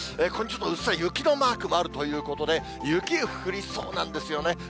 ここに、ちょっとうっすら雪のマークもあるということで、雪降りそうなんですよね。